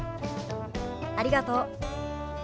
ありがとう。